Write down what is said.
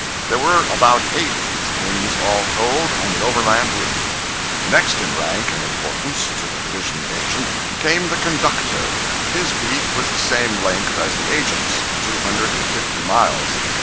There were about eight of these kings, all told, on the overland route. 055.jpg (39K) Next in rank and importance to the division agent came the "conductor." His beat was the same length as the agent's—two hundred and fifty miles.